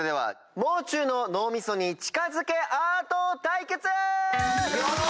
もう中の脳みそに近づけアート対決！